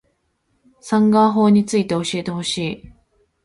サンガ―法について教えてほしい